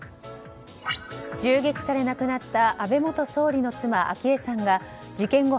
銃撃され亡くなった安倍元総理の妻・昭恵さんが事件後